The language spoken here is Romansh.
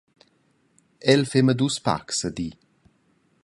El fema dus pacs a di.